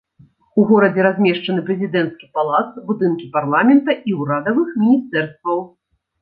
У горадзе размешчаны прэзідэнцкі палац, будынкі парламента і ўрадавых міністэрстваў.